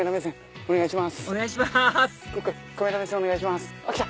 お願いします